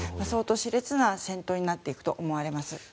相当熾烈な戦闘になっていくと思われます。